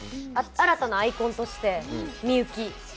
新たなアイコンとして美雪。